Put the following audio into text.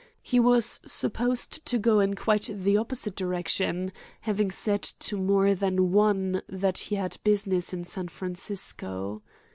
He was supposed to go in quite the opposite direction, having said to more than one that he had business in San Francisco.